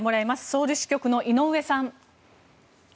ソウル支局の井上さん。